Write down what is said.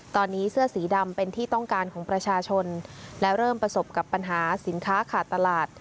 ตอนนี้เสื้อสีดำเป็นที่ต้องการของประชาชนและเริ่มประสบกับปัญหาสินค้าขาดตลาด